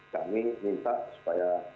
kami minta supaya